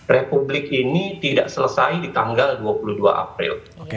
republik ini tidak selesai di tanggal dua puluh dua april